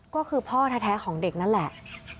ก็คือพ่อแท้ของเด็กนั่นแหละ